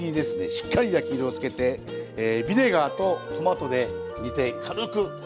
しっかり焼き色をつけてビネガーとトマトで煮て軽く仕上げたお料理でございます。